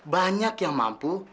banyak yang mampu